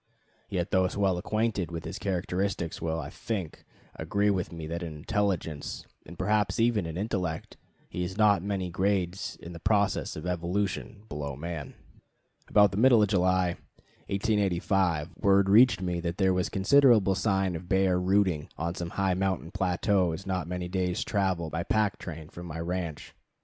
Yet those well acquainted with his characteristics will, I think, agree with me that in intelligence and perhaps even in intellect he is not many grades in the process of evolution below man. [Illustration: Prospecting for Grub. From Scribner's Magazine.] About the middle of July, 1885, word reached me that there was considerable sign of bear "rooting" on some high mountain plateaus not many days' travel by pack train from my ranch.